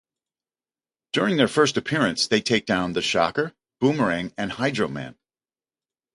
During their first appearance, they take down the Shocker, Boomerang, and Hydro-Man.